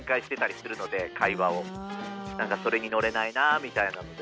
なんかそれに乗れないなあみたいなので。